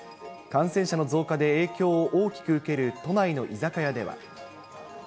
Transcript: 感染者の増加で影響を大きく受ける都内の居酒屋では。